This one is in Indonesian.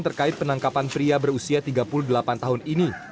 terkait penangkapan pria berusia tiga puluh delapan tahun ini